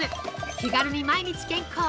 気軽に毎日健康！